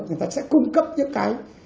người ta sẽ cung cấp những cái